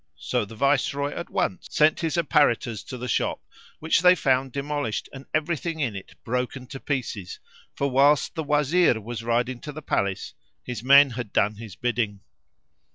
So the Viceroy at once sent his apparitors to the shop; which they found demolished and everything in it broken to pieces; for whilst the Wazir was riding to the palace his men had done his bidding.